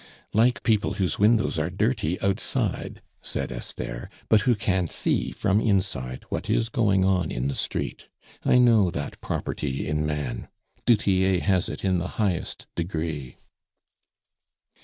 "Like people whose windows are dirty outside," said Esther, "but who can see from inside what is going on in the street. I know that property in man. Du Tillet has it in the highest degree."